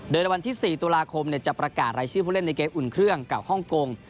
โดยในวันที่๔ตุลาคมจะประกาศรายชื่อผู้เล่นในเกมอุ่นเครื่องกับฮ่องกง